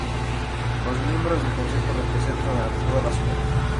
Los miembros del Consejo representan a toda la ciudad.